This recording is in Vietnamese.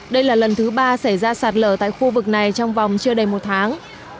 đây là lần thứ ba xảy ra sạt lở tại khu vực này trong vòng chưa đầy một tháng